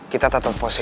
kita tak terposesi